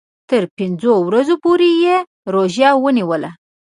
تر پنځو ورځو پوري یې روژه ونیوله.